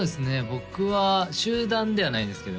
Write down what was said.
僕は集団ではないんですけど